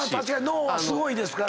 脳はすごいですからね。